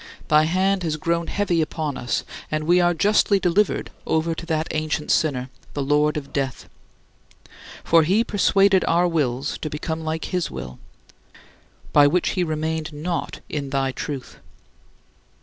Thy hand has grown heavy upon us, and we are justly delivered over to that ancient sinner, the lord of death. For he persuaded our wills to become like his will, by which he remained not in thy truth.